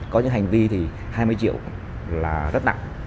có những hành vi thì hai mươi triệu là rất nặng